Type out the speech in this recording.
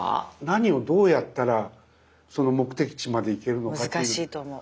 何をどうやったらその目的地まで行けるのかという。